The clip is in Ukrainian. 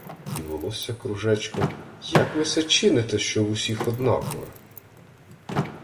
— І волосся кружечком... Як ви се чините, що в усіх однакове!